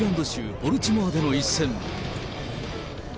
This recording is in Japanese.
ボルチモアでの一戦。